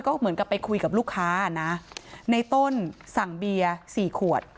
ก็เหมือนกับไปคุยกับลูกค้านะในต้นสั่งเบียร์สี่ขวด